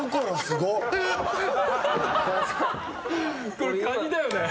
これカニだよね？